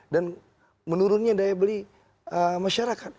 dan menurunnya daya beli masyarakat